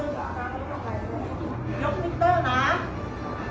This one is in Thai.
เมื่อกี้ก็ไม่มีเมื่อกี้